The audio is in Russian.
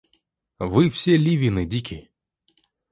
Вы все Левины дики.